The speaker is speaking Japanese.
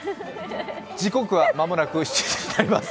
時刻は間もなく７時になります